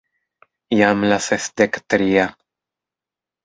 Jam la sesdek tria...